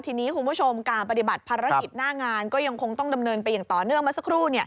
ทีนี้คุณผู้ชมการปฏิบัติภารกิจหน้างานก็ยังคงต้องดำเนินไปอย่างต่อเนื่องมาสักครู่